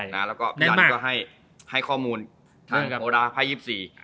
ณก็ก็ให้ให้ข้อมูลเรื่องโปรดาไพ่๒๔